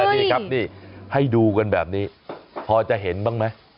นี่ครับนี่ให้ดูกันแบบนี้พอจะเห็นบ้างไหม